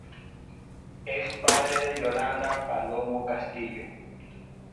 Es padre de Yolanda Palomo Castillo.